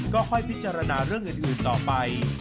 ก็ค่อยพิจารณาเรื่องอื่นต่อไป